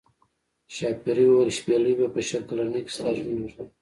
ښاپیرۍ وویل شپیلۍ به په شل کلنۍ کې ستا ژوند وژغوري.